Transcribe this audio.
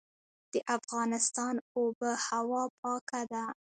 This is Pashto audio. د افغانستان اوبه هوا پاکه ده